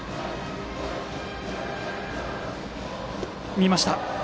見ました。